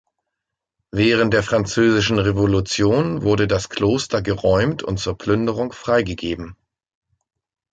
Während der Französischen Revolution wurde das Kloster geräumt und zur Plünderung freigegeben.